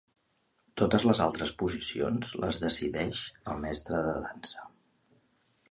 Totes les altres posicions les decideix el mestre de dansa.